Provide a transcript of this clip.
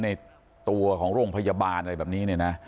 ในตัวของโรงพยาบาลอะไรแบบนี้